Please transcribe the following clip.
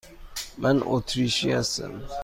من اتریشی هستم.